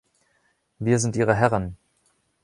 Wir sind ihre Herren!